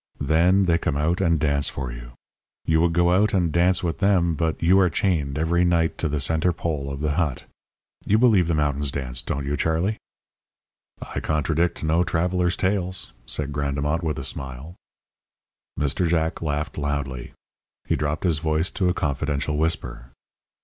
Then they come out and dance for you. You would go out and dance with them but you are chained every night to the centre pole of the hut. You believe the mountains dance, don't you, Charlie?" "I contradict no traveller's tales," said Grandemont, with a smile. Mr. Jack laughed loudly. He dropped his voice to a confidential whisper.